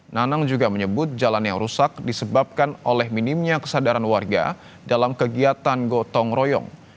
nanang juga menyebut jalan yang rusak disebabkan oleh minimnya kesadaran warga dalam kegiatan gotong royong